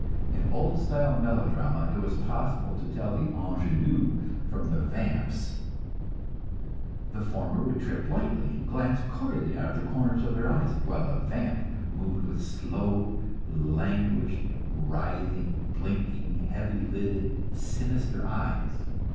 In old style melodrama it was possible to tell the "ingenue" from the "vamps"; the former would trip lightly, and glance coyly out of the corners of her eyes, while the "vamp" moved with slow, languished writhing, blinking heavy lidded, sinister eyes.